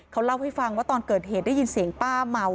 เขาเล่าให้ฟังว่าตอนเกิดเหตุได้ยินเสียงป้าเมา